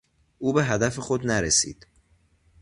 او به هدف خود نرسید.